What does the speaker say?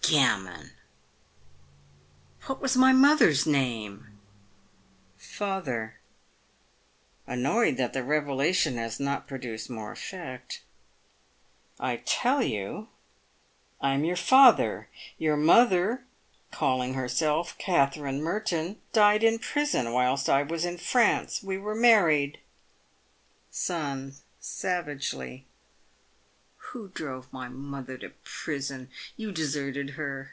Gammon! "What was my mother's name ? Father (annoyed that the revelation has not produced more effect). I tell you I am your father. Your mother, calling herself Katherine Merton, died in prison whilst I was in Prance. We were married. Son (savagely). Who drove my mother to prison? You deserted her.